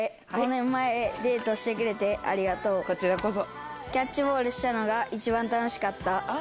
こちらこそ。